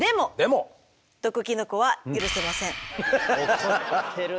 怒ってるね。